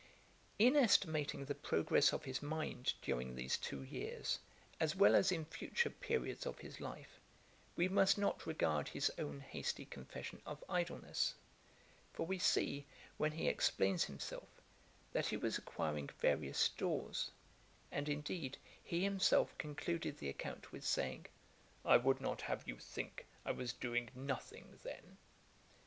In estimating the progress of his mind during these two years, as well as in future periods of his life, we must not regard his own hasty confession of idleness; for we see, when he explains himself, that he was acquiring various stores; and, indeed he himself concluded the account with saying, 'I would not have you think I was doing nothing then.'